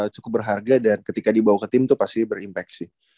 cukup berharga dan ketika dibawa ke tim itu pasti berimpaksi